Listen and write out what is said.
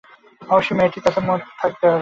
অবশ্যি মেয়েটির তাতে মত থাকতে হবে।